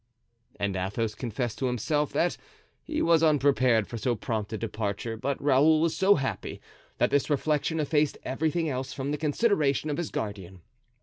And Athos confessed to himself that, he was unprepared for so prompt a departure; but Raoul was so happy that this reflection effaced everything else from the consideration of his guardian.